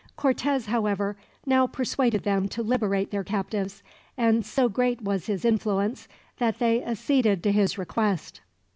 Cortez, however, now persuaded them to liberate their captives; and so great was his influence that they acceded to his request.